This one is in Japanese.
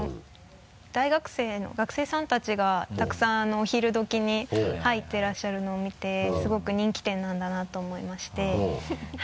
大学生の学生さんたちがたくさんお昼どきに入ってらっしゃるのを見てすごく人気店なんだなと思いまして。